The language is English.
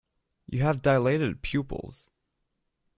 You have dilated pupils.